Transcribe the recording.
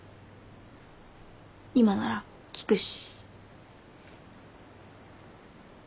今なら聞くし。